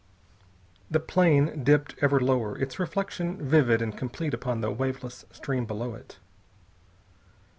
The plane dipped ever lower, its reflection vivid and complete upon the waveless stream below it.